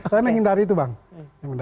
saya menghindari itu bang